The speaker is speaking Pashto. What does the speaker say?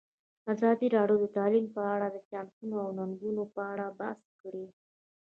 ازادي راډیو د تعلیم په اړه د چانسونو او ننګونو په اړه بحث کړی.